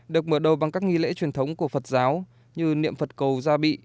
được mở đầu bằng các nghi lễ truyền thống của phật giáo như niệm phật cầu gia bị